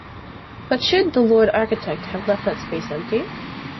But should the Lord Architect have left that space empty?